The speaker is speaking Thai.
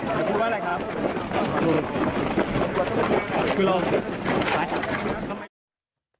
พูดอะไรครับ